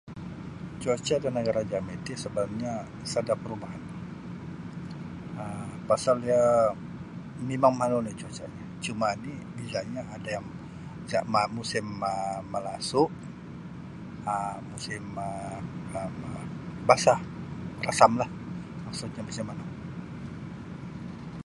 Cuaca di negara jami tih sebenarnya sedap rumahan um pasal dia minimum anu ni cuacanya cuma ni bezanya ada yang sama musim um malasu um musim um basah rasam lah maksudnya macam manu.